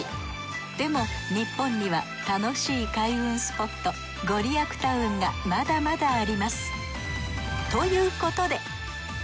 でも日本には楽しい開運スポットご利益タウンがまだまだあります。ということで。